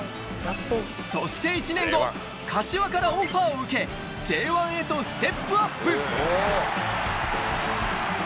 そして１年後、柏からオファーを受け、Ｊ１へとステップアップ。